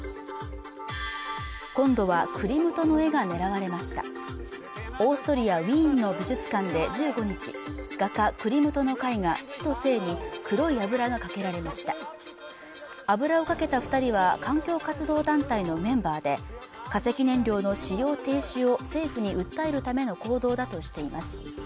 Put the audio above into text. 今度はクリムトの絵が狙われましたオーストリア・ウィーンの美術館で１５日画家クリムトの絵画「死と生」に黒い油がかけられました油をかけた二人は環境活動団体のメンバーで化石燃料の使用停止を政府に訴えるための行動だとしています